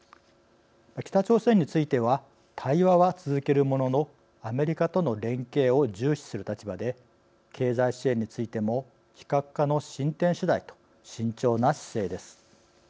北朝鮮については対話は続けるもののアメリカとの連携を重視する立場で経済支援についても非核化の進展次第と慎重な姿勢です。